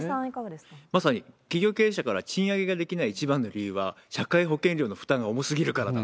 まさに企業経営者から賃上げができない一番の理由は、社会保険料の負担が重すぎるからだ。